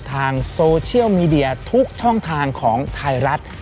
ทางโซเชียลมีเดียทุกช่องทางของไทยรัฐ